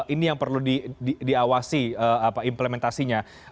ini yang perlu diawasi implementasinya